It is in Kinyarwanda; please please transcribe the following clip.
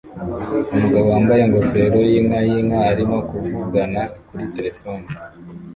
umugabo wambaye ingofero yinka yinka arimo kuvugana kuri terefone